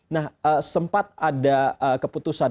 nah sempat ada keputusan